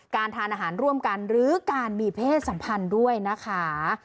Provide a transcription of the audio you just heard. ทานอาหารร่วมกันหรือการมีเพศสัมพันธ์ด้วยนะคะ